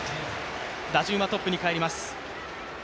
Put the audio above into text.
打順はトップにかえります。